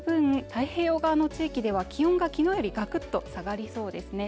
太平洋側の地域では気温が昨日よりガクッと下がりそうですね